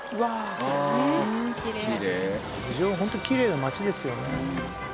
郡上はホントにきれいな町ですよね。